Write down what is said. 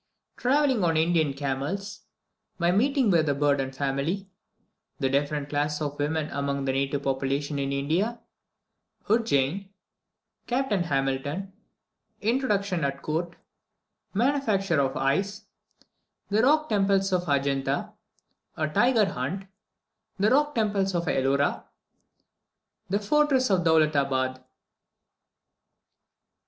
TRAVELLING ON INDIAN CAMELS MY MEETING WITH THE BURDON FAMILY THE DIFFERENT CLASSES OF WOMEN AMONG THE NATIVE POPULATION IN INDIA UDJEIN CAPTAIN HAMILTON INTRODUCTION AT COURT MANUFACTURE OF ICE THE ROCK TEMPLES OF ADJUNTA A TIGER HUNT THE ROCK TEMPLES OF ELORA THE FORTRESS OF DOWLUTABAD.